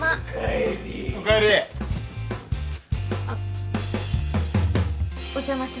あっ。